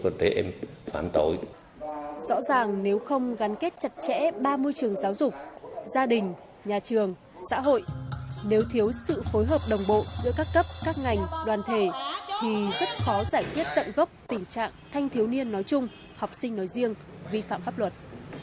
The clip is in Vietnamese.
rõ ràng nếu không gắn kết chặt chẽ ba môi trường giáo dục gia đình nhà trường xã hội nếu thiếu sự phối hợp đồng bộ giữa các cấp các ngành đoàn thể thì rất khó giải quyết tận gốc tình trạng thanh thiếu niên nói chung học sinh nói riêng vi phạm pháp luật